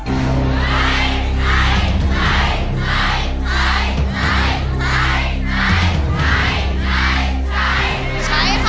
ไม่ใช้